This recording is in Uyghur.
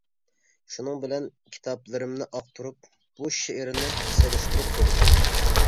شۇنىڭ بىلەن كىتابلىرىمنى ئاقتۇرۇپ بۇ شېئىرنى سېلىشتۇرۇپ كۆردۈم.